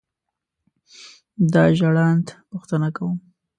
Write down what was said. دا ژړاند پوښتنه کوم.